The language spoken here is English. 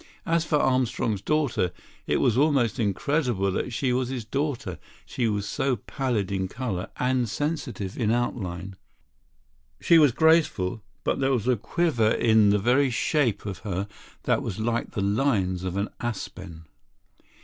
As for Armstrong's daughter, it was almost incredible that she was his daughter; she was so pallid in colour and sensitive in outline. She was graceful, but there was a quiver in the very shape of her that was like the lines of an aspen.